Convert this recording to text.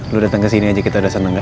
lo datang kesini aja kita udah senang ya